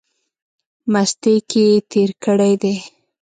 مستۍ کښې تېر کړی دی۔